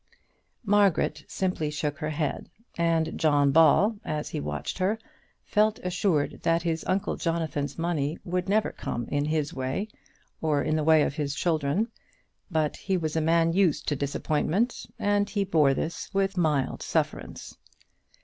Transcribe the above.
Margaret simply shook her head, and John Ball, as he watched her, felt assured that his uncle Jonathan's money would never come in his way, or in the way of his children. But he was a man used to disappointment, and he bore this with mild sufferance.